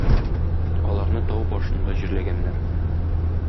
Аларны тау башында җирләгәннәр.